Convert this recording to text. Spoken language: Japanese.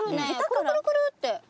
くるくるくるって。